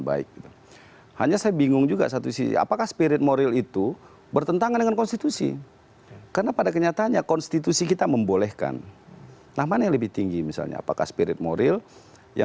bahasa warung kopinya apa